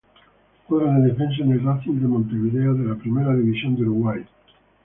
Juega de defensa en el Racing de Montevideo de la Primera División de Uruguay.